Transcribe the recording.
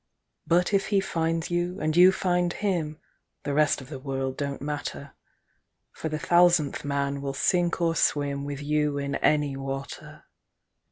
But if he finds you and you find him, The rest of the world don't matter; For the Thousandth Man will sink or swimWith you in any water.